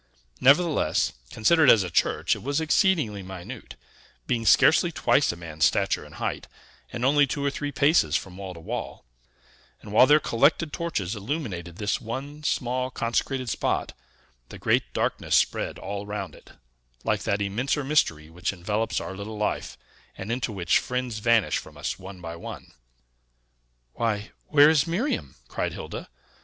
Nevertheless, considered as a church, it was exceedingly minute, being scarcely twice a man's stature in height, and only two or three paces from wall to wall; and while their collected torches illuminated this one small, consecrated spot, the great darkness spread all round it, like that immenser mystery which envelops our little life, and into which friends vanish from us, one by one. "Why, where is Miriam?" cried Hilda.